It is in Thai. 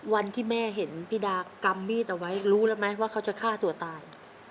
วันที่แม่เห็นพี่ดากำมีดเอาไว้รู้แล้วไหมว่าเขาจะฆ่าตัวตาย